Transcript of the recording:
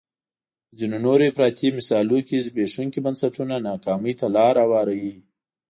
په ځینو نورو افراطي مثالونو کې زبېښونکي بنسټونه ناکامۍ ته لار هواروي.